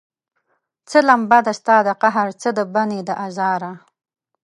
څه لمبه ده ستا د قهر، څه د بني د ازاره